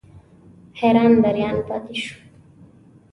حیران دریان پاتې شوم.